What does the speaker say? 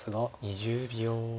２０秒。